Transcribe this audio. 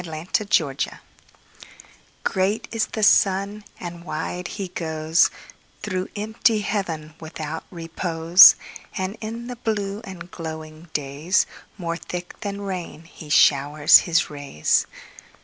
Summer Sun GREAT is the sun, and wide he goesThrough empty heaven without repose; And in the blue and glowing daysMore thick than rain he showers his rays.